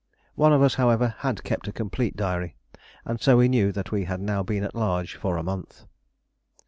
One of us, however, had kept a complete diary, and so we knew that we had now been at large for a month.